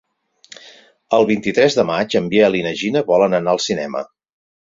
El vint-i-tres de maig en Biel i na Gina volen anar al cinema.